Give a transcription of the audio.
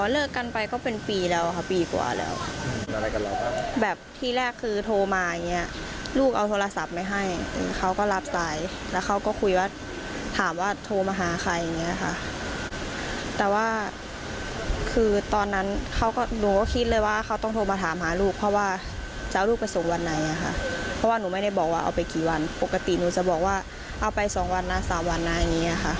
เลิกกันไปก็เป็นปีแล้วค่ะปีกว่าแล้วครับแบบที่แรกคือโทรมาอย่างเงี้ยลูกเอาโทรศัพท์ไปให้เขาก็รับสายแล้วเขาก็คุยว่าถามว่าโทรมาหาใครอย่างเงี้ยค่ะแต่ว่าคือตอนนั้นเขาก็หนูก็คิดเลยว่าเขาต้องโทรมาถามหาลูกเพราะว่าจะเอาลูกไปส่งวันไหนอ่ะค่ะเพราะว่าหนูไม่ได้บอกว่าเอาไปกี่วันปกติหนูจะบอกว่าเอาไปสองวันนะสามวันนะอย่างเงี้ยค่ะ